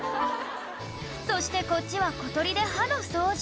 そしてこっちは小鳥で歯の掃除